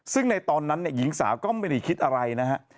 ซึ่งในตอนนั้นหญิงสาวก็ไม่ได้คิดอะไรนะฮะ